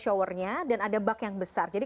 showernya dan ada bak yang besar jadi